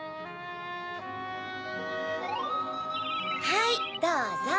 はいどうぞ。